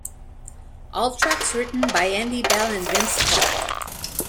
All tracks written by Andy Bell and Vince Clarke.